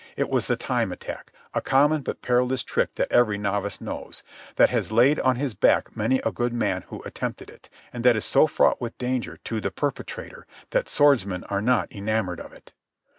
It was the time attack, a common but perilous trick that every novice knows, that has laid on his back many a good man who attempted it, and that is so fraught with danger to the perpetrator that swordsmen are not enamoured of it.